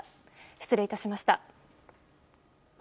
失礼いたしました。